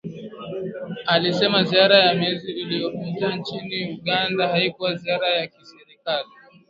Alisema ziara ya mwezi uliopita nchini Uganda haikuwa ziara ya kiserikali